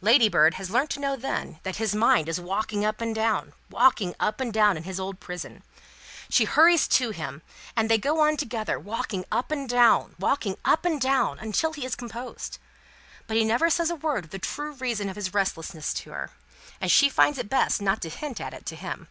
Ladybird has learnt to know then that his mind is walking up and down, walking up and down, in his old prison. She hurries to him, and they go on together, walking up and down, walking up and down, until he is composed. But he never says a word of the true reason of his restlessness, to her, and she finds it best not to hint at it to him.